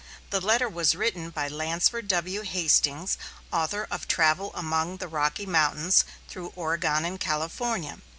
The letter was written by Lansford W. Hastings, author of "Travel Among the Rocky Mountains, Through Oregon and California."